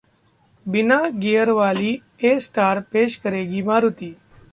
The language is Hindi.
बिना गियर वाली ए.स्टार पेश करेगी मारुति